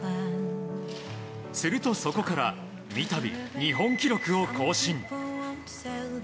するとそこから三度日本記録を更新。